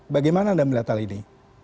bagaimana anda melihat hal ini